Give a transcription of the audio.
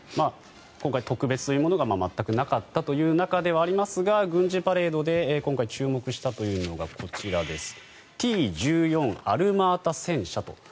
今回、特別というものが全くなかったという中ではありますが軍事パレードで今回注目したというのがこちらです。